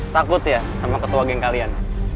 takut ya sama ketua geng kalian